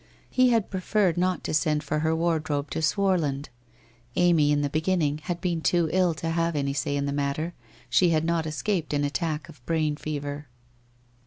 He had preferred not to send for her wardrobe to Swarland. Amy, in the beginning, had been too ill to have any say in the matter, she had not escaped an attack of brain fever.